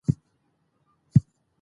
پښتو ژبه باید نړیوالو ته ور وپیژندل سي.